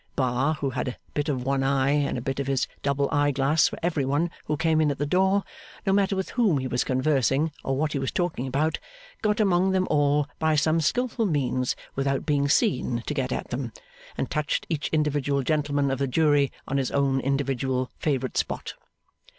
Bar, who had a bit of one eye and a bit of his double eye glass for every one who came in at the door, no matter with whom he was conversing or what he was talking about, got among them all by some skilful means, without being seen to get at them, and touched each individual gentleman of the jury on his own individual favourite spot.